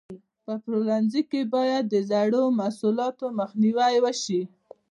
په پلورنځي کې باید د زړو محصولاتو مخنیوی وشي.